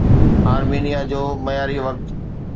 آرمينيا جو معياري وقت